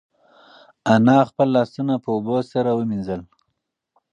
انا خپل لاسونه په اوبو سره ومینځل.